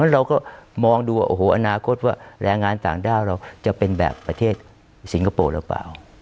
เราก็มองดูว่าโอ้โหอนาคตว่าแรงงานต่างด้าวเราจะเป็นแบบประเทศสิงคโปร์หรือเปล่า